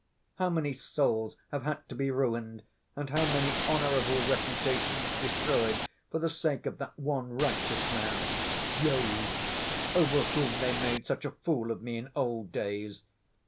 How many souls have had to be ruined and how many honorable reputations destroyed for the sake of that one righteous man, Job, over whom they made such a fool of me in old days!